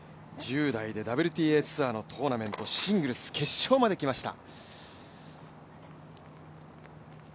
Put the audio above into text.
１０代でＷＴＡツアーのトーナメントシングルス決勝まで来ました。